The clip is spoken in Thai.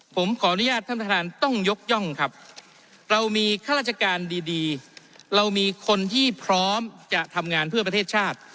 ผมขออนุญาตท่านประธานต้องยกย่องครับเรามีข้าราชการดีเรามีคนที่พร้อมจะทำงานเพื่อประเทศชาติ